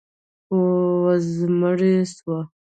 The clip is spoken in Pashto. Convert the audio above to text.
وزمړه سوه.